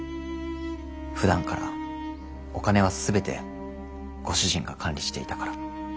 ふだんからお金は全てご主人が管理していたから。